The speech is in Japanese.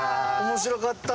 面白かった！